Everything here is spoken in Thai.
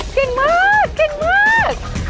เก่งมาก